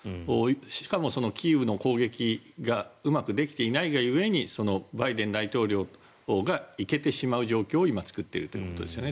しかもキーウの攻撃がうまくできていないが故にバイデン大統領が行けてしまう状況を今、作っているということですよね。